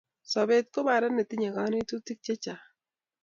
Sopet ko panda netinyei kanetutik che chang